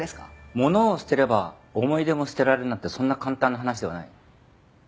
物を捨てれば思い出も捨てられるなんてそんな簡単な話ではない。